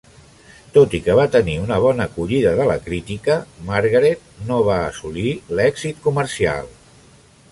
Tot i que va tenir una bona acollida de la crítica, "Margaret" no va assolir l"èxit comercial.